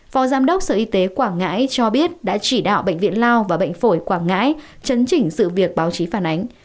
phó giám đốc sở y tế quảng ngãi cho biết đã chỉ đạo bệnh viện lao và bệnh phổi quảng ngãi chấn chỉnh sự việc báo chí phản ánh